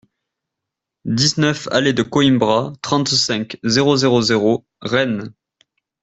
dix-neuf allée de Coïmbra, trente-cinq, zéro zéro zéro, Rennes